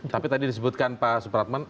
tapi tadi disebutkan pak supratman